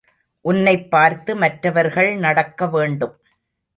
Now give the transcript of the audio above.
உன்னைப் பார்த்து மற்றவர்கள் நடக்க வேண்டும்.